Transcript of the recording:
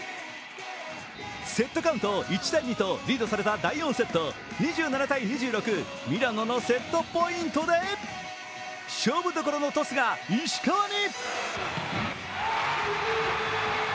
セットカウント１−２とリードされた第４セット２７−２６、ミラノのセットポイントで勝負どころのトスが石川に。